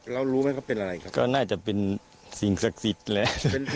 รู้ไหมเขาเป็นอะไรครับก็น่าจะเป็นสิ่งศักดิ์สิทธิ์แหละ